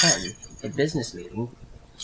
"A Business Meeting," No.